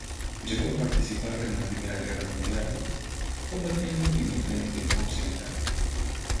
Llegó a participar en la Primera Guerra Mundial, combatiendo en el Frente Occidental.